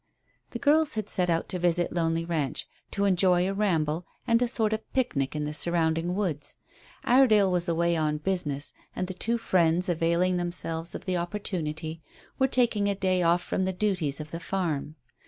The girls had set out to visit Lonely Ranch, to enjoy a ramble and a sort of picnic in the surrounding woods. Iredale was away on business, and the two friends, availing themselves of the opportunity, were taking a day off from the duties of the farm.